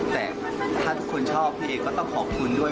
แต่ถ้าทุกคนชอบพี่เอก็ต้องขอบคุณด้วย